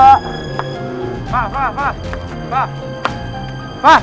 fah fah fah fah